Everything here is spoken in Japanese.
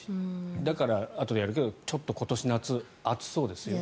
だから、あとでやりますがちょっと今年の夏、暑そうですよと。